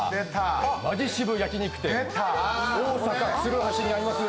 マヂ渋焼き肉店大阪・鶴橋にあります